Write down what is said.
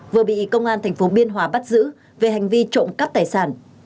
vừa bị công an thành phố biên hòa bắt giữ về hành vi trộm cắp tài sản